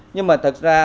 nhưng mà thật ra